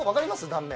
断面。